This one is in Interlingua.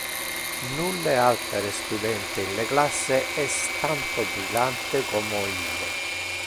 Nulle altere studente in le classe es tanto brillante como ille.